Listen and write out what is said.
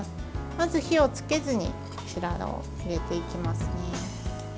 まず、火をつけずに入れていきますね。